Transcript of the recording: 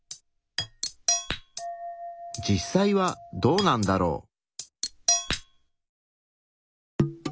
実際はどうなんだろう？